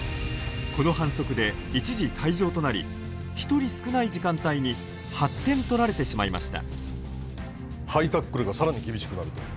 この反則で、一時退場となり１人少ない時間帯に８点取られてしまいました。